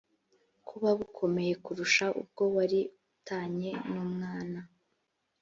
kuba bukomeye kurusha ubwo wari u tanye n umwana